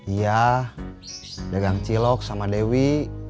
iya dagang cilok sama dewi